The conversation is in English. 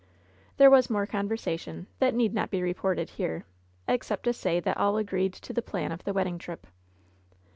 There was more conversation, that need not be re ported here, except to say that all agreed to the plan of the wedding trip.